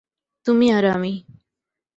তুমি আর আমি।